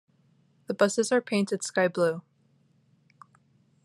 The buses are painted skyblue.